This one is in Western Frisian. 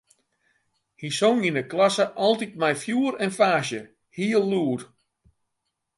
Hy song yn 'e klasse altyd mei fjoer en faasje, heel lûd.